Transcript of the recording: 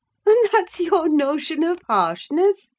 "And that's your notion of harshness?"